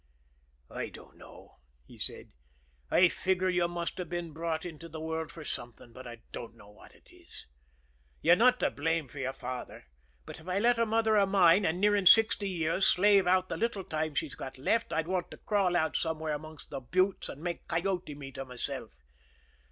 "I dunno," he said. "I figure you must have been brought into the world for something, but I dunno what it is. You're not to blame for your father; but if I let a mother of mine, and nearing sixty years, slave out the little time she's got left, I'd want to crawl out somewhere amongst the buttes and make coyote meat of myself.